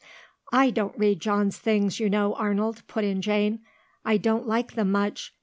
"I don't read John's things, you know, Arnold," put in Jane. "I don't like them much.